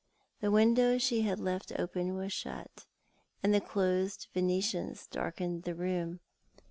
The window she had left open was shut, and the closed Venetians darkened the room.